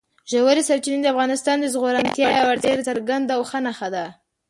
ژورې سرچینې د افغانستان د زرغونتیا یوه ډېره څرګنده او ښه نښه ده.